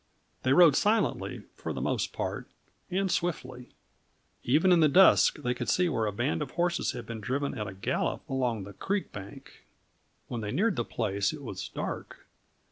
They rode silently, for the most part, and swiftly. Even in the dusk they could see where a band of horses had been driven at a gallop along the creek bank. When they neared the place it was dark.